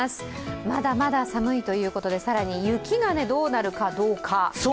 まだまだ寒いということで更に雪がどうなるかどうか。